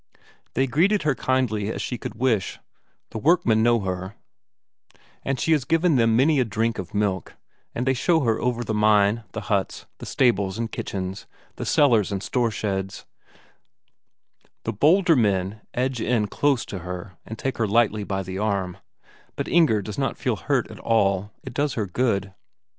They greet her kindly as she could wish; the workmen know her, she has given them many a drink of milk, and they show her over the mine, the huts, the stables and kitchens, the cellars and storesheds; the bolder men edge in close to her and take her lightly by the arm, but Inger does not feel hurt at all, it does her good.